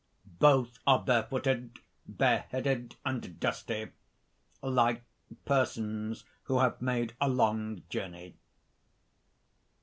_ _Both are barefooted, bareheaded, and dusty, like persons who have made a long journey.